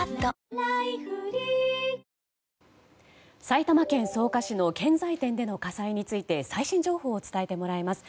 埼玉県草加市の建材店での火災について最新情報を伝えてもらいます。